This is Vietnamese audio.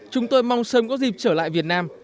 chúng tôi mong sớm có dịp trở lại việt nam